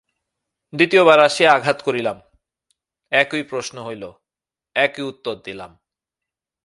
দ্বিতীয়বার আসিয়া করাঘাত করিলাম, একই প্রশ্ন হইল, একই উত্তর দিলাম।